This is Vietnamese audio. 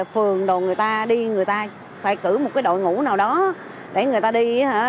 phường đồ người ta đi người ta phải cử một đội ngũ nào đó để người ta đi